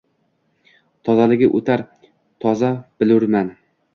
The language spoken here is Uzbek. Tozaligi o’tar toza billurdan